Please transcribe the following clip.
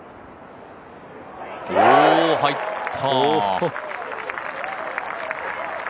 お、入った。